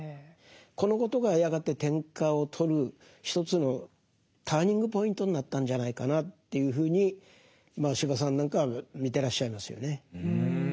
このことがやがて天下を取る一つのターニングポイントになったんじゃないかなというふうに司馬さんなんかは見てらっしゃいますよね。